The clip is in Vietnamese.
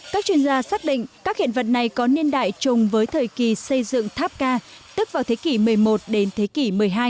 các chuyên gia xác định các hiện vật này có niên đại chung với thời kỳ xây dựng tháp ca tức vào thế kỷ một mươi một đến thế kỷ một mươi hai